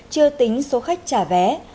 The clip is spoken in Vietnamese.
chưa tính số khách trả vé